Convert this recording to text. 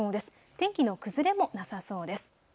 天気の崩れもなさそうです。